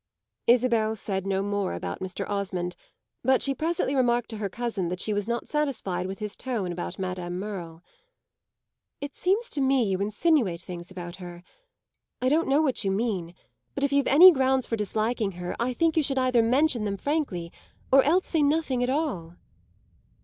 Isabel said no more about Mr. Osmond, but she presently remarked to her cousin that she was not satisfied with his tone about Madame Merle. "It seems to me you insinuate things about her. I don't know what you mean, but if you've any grounds for disliking her I think you should either mention them frankly or else say nothing at all."